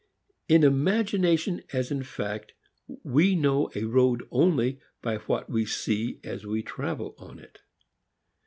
In imagination as in fact we know a road only by what we see as we travel on it.